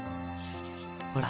ほら。